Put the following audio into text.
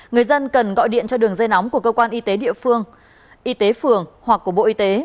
người dân cần gọi điện cho đường dây nóng của cơ quan y tế địa phương y tế phường hoặc của bộ y tế